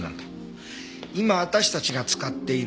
今私たちが使っているのは楷書。